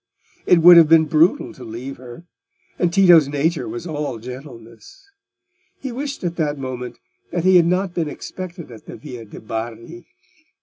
It would have been brutal to leave her, and Tito's nature was all gentleness. He wished at that moment that he had not been expected in the Via de' Bardi.